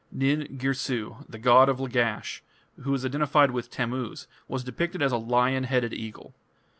Nin Girsu, the god of Lagash, who was identified with Tammuz, was depicted as a lion headed eagle.